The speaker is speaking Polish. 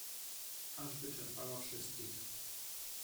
"Aż wyczerpała wszystkich."